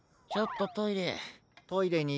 ちょっとトイレ。